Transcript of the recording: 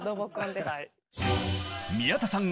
宮田さん